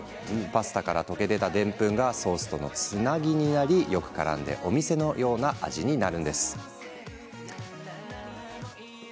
パスタから溶け出たでんぷんがソースとのつなぎになりよくからんでお店のような味になるんです。